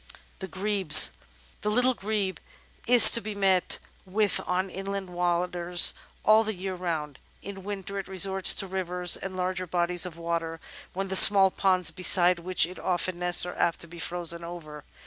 The Grebes The Little Grebe is to be met with on inland waters all the year round. In winter it resorts to rivers and larger bodies of water, when the small ponds beside which it often nests are apt to be frozen over.